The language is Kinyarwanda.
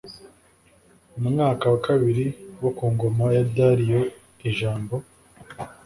mwaka wa kabiri wo ku ngoma ya Dariyo ijambo